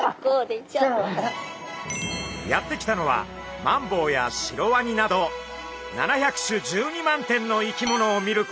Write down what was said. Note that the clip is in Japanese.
やって来たのはマンボウやシロワニなど７００種１２万点の生き物を見ることができる水族館。